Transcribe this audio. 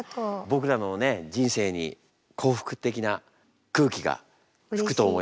僕らの人生に幸福的な空気が吹くと思います。